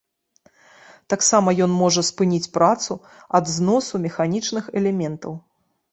Таксама ён можа спыніць працу ад зносу механічных элементаў.